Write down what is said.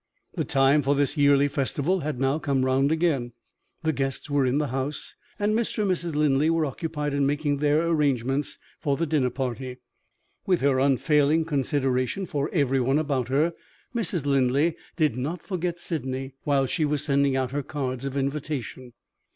The time for this yearly festival had now come round again; the guests were in the house; and Mr. and Mrs. Linley were occupied in making their arrangements for the dinner party. With her unfailing consideration for every one about her, Mrs. Linley did not forget Sydney while she was sending out her cards of invitation.